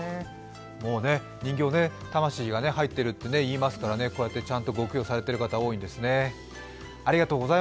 人形、魂が入っているといいますから、こうやってちゃんとご供養されている方、多いんですね。